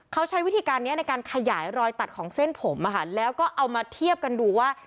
เขาใช้วิธีการนี้ในการขยายรอยตัดของเส้นผมแล้วก็เอามาเทียบกันดูว่า